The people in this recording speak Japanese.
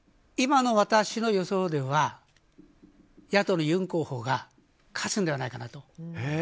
今の私の予想では野党のユン候補が勝つのではないかなと。